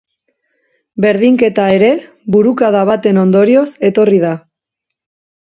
Berdinketa ere, burukada baten ondorioz etorri da.